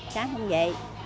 sáng không dậy